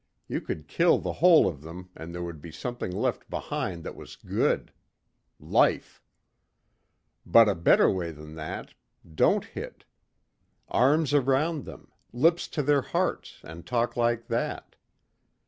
You could kill the whole of them and there would be something left behind that was good Life. But a better way than that.... Don't hit. Arms around them, lips to their hearts and talk like that.